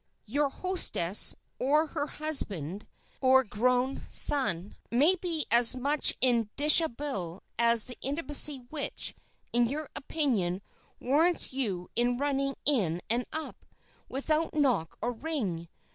Your hostess—or her husband—or grown son—may be as much in dishabille as the intimacy which, in your opinion, warrants you in running in and up, without knock or ring.